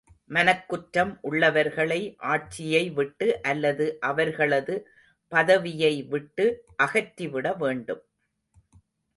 மனக்குற்றம் உள்ளவர்களை ஆட்சியை விட்டு அல்லது அவர்களது பதவியை விட்டு அகற்றிவிட வேண்டும்.